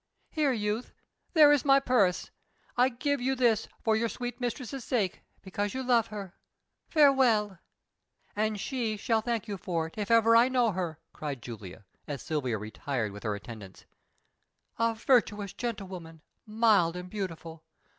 "Here, youth, there is my purse. I give you this for your sweet mistress's sake, because you love her. Farewell!" "And she shall thank you for it if ever you know her," cried Julia, as Silvia retired with her attendants. "A virtuous gentlewoman, mild and beautiful!